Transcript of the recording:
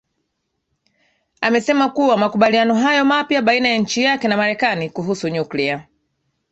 amesema kuwa makubaliano hayo mapya baina ya nchi yake na marekani kuhusu nyuklia